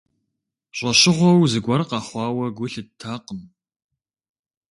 ЩӀэщыгъуэу зыгуэр къэхъуауэ гу лъыттакъым.